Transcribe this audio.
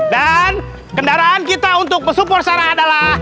dan kendaraan kita untuk support sana adalah